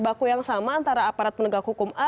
baku yang sama antara aparat penegak hukum a